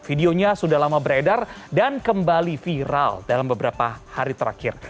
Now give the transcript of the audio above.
videonya sudah lama beredar dan kembali viral dalam beberapa hari terakhir